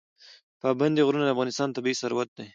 پابندی غرونه د افغانستان طبعي ثروت دی.